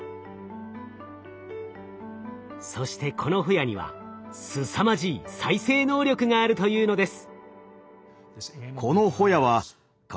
そしてこのホヤにはすさまじい再生能力があるというのです。